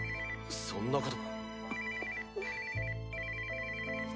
そんなこと。